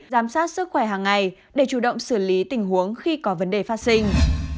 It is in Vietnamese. giám sát sức khỏe hàng ngày để chủ động xử lý tình huống khi có vấn đề phát sinh